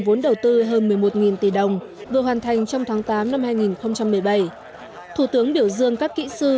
vốn đầu tư hơn một mươi một tỷ đồng vừa hoàn thành trong tháng tám năm hai nghìn một mươi bảy thủ tướng biểu dương các kỹ sư